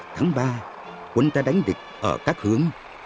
tháng ba quân ta đánh địch ở các hướng